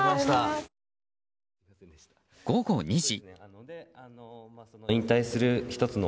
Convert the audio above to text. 午後２時。